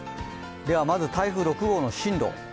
では、まず台風６号の進路。